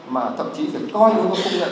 mà thậm chí phải coi đối với công nghệ